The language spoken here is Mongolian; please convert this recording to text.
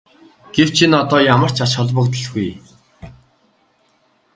Гэвч энэ одоо ямар ч ач холбогдолгүй.